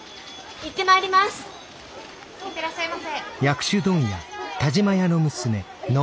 ・行ってらっしゃいませ。